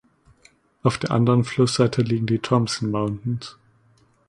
Auf der anderen Flussseite liegen die Thomson Mountains.